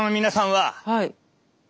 はい。